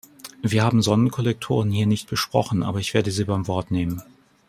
Wir haben Sonnenkollektoren hier nicht besprochen, aber ich werde Sie beim Wort nehmen.